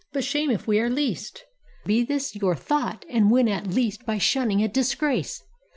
But shame if we are least! Be this your thought, And win at least by shunning a disgrace!"